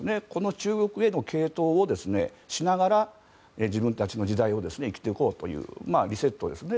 中国への傾倒をしながら自分たちの時代を生きていこうというリセットですね。